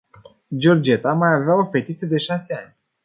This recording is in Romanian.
Georgeta mai avea o fetiță de șase ani.